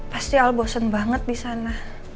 pasti al bosen banget disana